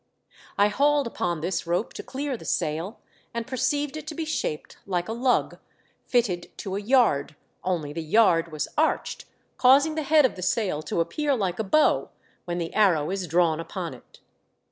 I hauled upon this rope to clear the sail, and perceived it to be shaped like a lug, fitted to a yard, only the yard was arched, causing the head of the sail to appear like a bow when the arrow is drawn upon it.